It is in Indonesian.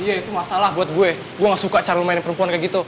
iya itu masalah buat gue gue gak suka cara lumayan perempuan kayak gitu